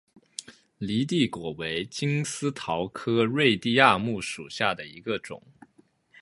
犁地果为金丝桃科瑞地亚木属下的一个种。